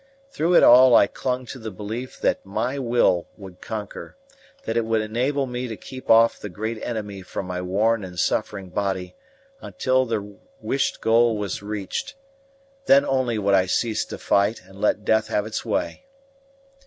Through it all I clung to the belief that my will would conquer, that it would enable me to keep off the great enemy from my worn and suffering body until the wished goal was reached; then only would I cease to fight and let death have its way.